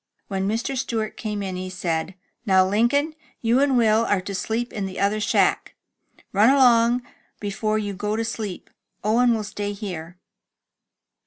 When Mr. Stewart came in, he said: "Now, Lincoln, you and Will are to sleep in the other shack. Run right along, before you go to sleep. Owen will stay here.'